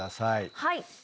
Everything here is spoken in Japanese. はい。